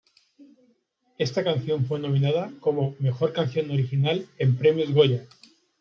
Esta canción fue nominada como "Mejor Canción Original" en Premios Goya.